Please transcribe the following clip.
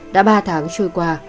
đã ba tháng xuôi qua